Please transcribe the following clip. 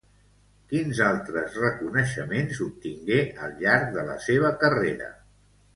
Quins altres reconeixements obtingué al llarg de la seva carrera?